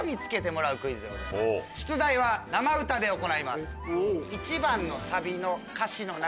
出題は生歌で行います。